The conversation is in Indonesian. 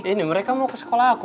ini mereka mau ke sekolah aku